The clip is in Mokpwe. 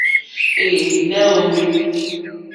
Ɛ̄ɛ̄, nè óhwì.